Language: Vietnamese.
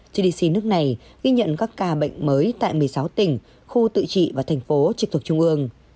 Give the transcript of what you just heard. gdp nước này ghi nhận các ca bệnh mới tại một mươi sáu tỉnh khu tự trị và thành phố trực thuộc trung ương